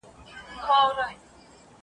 نه خبر وو چي سبا او بېګاه څه دی !.